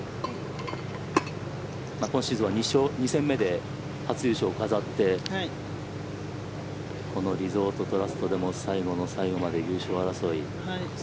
今シーズンは２戦目で初優勝を飾ってこのリゾートトラストでも最後の最後まで優勝争い。